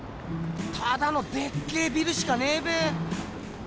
ただのでっけえビルしかねえべ。